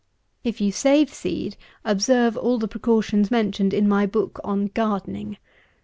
If you save seed, observe all the precautions mentioned in my book on Gardening.